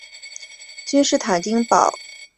君士坦丁堡亦以其宏伟的建筑而闻名。